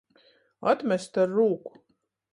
Atmest ar rūku.